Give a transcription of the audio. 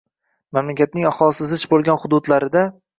Mamlakatning aholisi zich bo‘lgan hududlarida